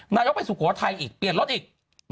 นายกไปสุโขทัยอีกเปลี่ยนรถอีก